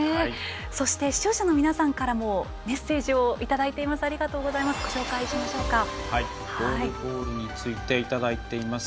そして、視聴者の皆さんからもメッセージをいただいています。